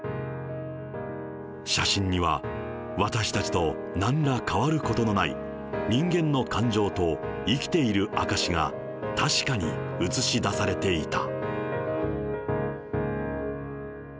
写真には、私たちとなんら変わることのない、人間の感情と生きている証しが確かに写し出されていた。